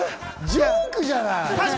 ジョークじゃない！